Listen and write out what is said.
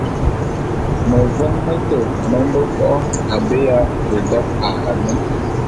Meveň mete me mbe fo’o abé ya édok a anen.